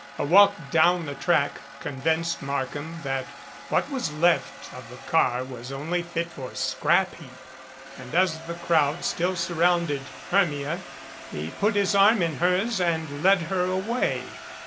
A walk down the track convinced Markham that what was left of the car was only fit for the scrap heap. And as the crowd still surrounded Hermia he put his arm in hers and led her away.